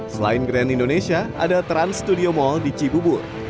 selain grand indonesia ada trans studio mall di cibubur